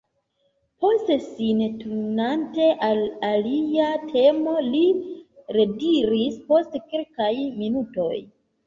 Poste, sin turnante al alia temo, li rediris post kelkaj minutoj: